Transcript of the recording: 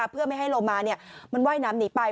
เพื่อไม่ให้โลมามันว่ายน้ำหนีไป